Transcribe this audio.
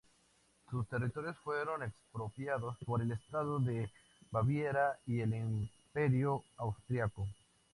Sus territorios fueron expropiados por el Estado de Baviera y el Imperio Austriaco.